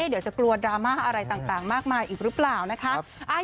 เดี๋ยวจะกลัวดราม่าอะไรต่างมากมายอีกหรือเปล่านะคะ